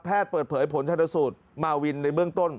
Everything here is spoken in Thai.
แพทย์เปิดเผยผลชาติสูตรมาวินในเบื้องต้น